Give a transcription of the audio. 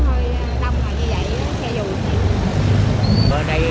gọi là bến xe dù